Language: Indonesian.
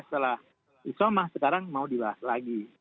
setelah isomah sekarang mau dibahas lagi